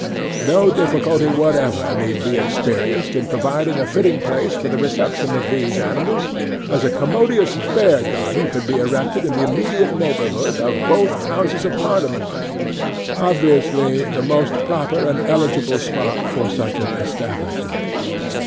No difficulty whatever need be experienced in providing a fitting place for the reception of these animals, as a commodious bear garden could be erected in the immediate neighbourhood of both Houses of Parliament; obviously the most proper and eligible spot for such an establishment.